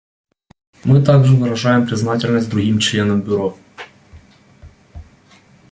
Мы также выражаем признательность другим членам Бюро.